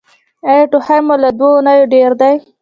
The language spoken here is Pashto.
ایا ټوخی مو له دوه اونیو ډیر دی؟